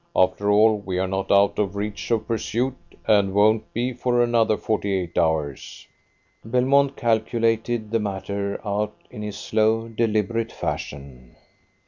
After all, we are not out of reach of pursuit, and won't be for another forty eight hours." Belmont calculated the matter out in his slow, deliberate fashion.